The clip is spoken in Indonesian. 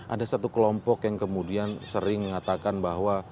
ada satu kelompok yang kemudian sering mengatakan bahwa